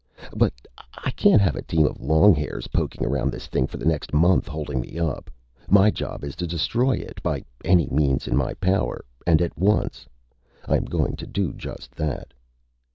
"But I can't have a team of longhairs poking around this thing for the next month, holding me up. My job is to destroy it, by any means in my power, and at once. I am going to do just that."